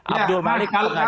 abdul malik nggak salah